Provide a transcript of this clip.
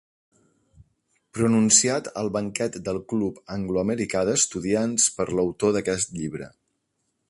Pronunciat al banquet del Club angloamericà d'estudiants per l'autor d'aquest llibre.